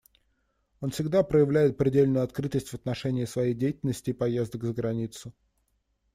Он всегда проявляет предельную открытость в отношении своей деятельности и поездок за границу.